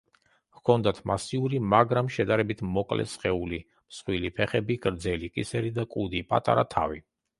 ჰქონდათ მასიური, მაგრამ შედარებით მოკლე სხეული, მსხვილი ფეხები, გრძელი კისერი და კუდი, პატარა თავი.